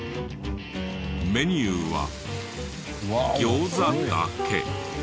メニューは餃子だけ。